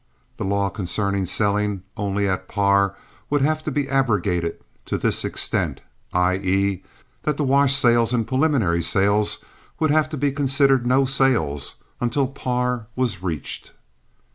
The law concerning selling only at par would have to be abrogated to this extent—i.e., that the wash sales and preliminary sales would have to be considered no sales until par was reached.